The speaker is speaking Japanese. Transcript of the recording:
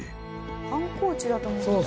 観光地だと思ってた。